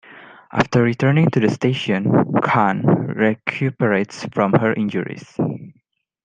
After returning to the station, Kahn recuperates from her injuries.